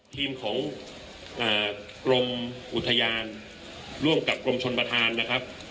ทีมของกรมอุทยานร่วมกับกรมชนประธานนะครับ